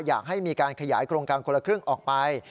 อยากให้มีการขยายโครงการคนละครึ่งออกไป